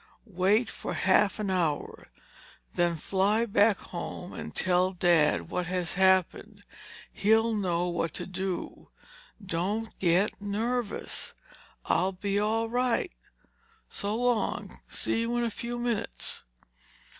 "Wait for half an hour. Then fly back home and tell Dad what has happened. He'll know what to do. Don't get nervous—I'll be all right. So long. See you in a few minutes."